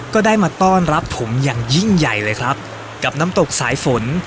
ก็ได้มาต้อนรับผมอย่างยิ่งใหญ่เลยครับกับน้ำตกสายฝน